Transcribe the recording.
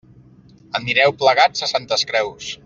Anireu plegats a Santes Creus.